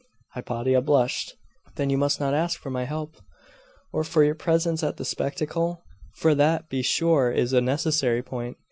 Hypatia blushed. 'Then you must not ask for my help.' 'Or for your presence at the spectacle? For that be sure is a necessary point.